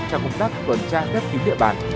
trong công tác tuần tra kết ký địa bàn